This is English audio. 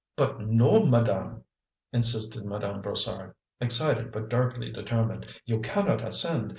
"But NO, madame," insisted Madame Brossard, excited but darkly determined. "You cannot ascend.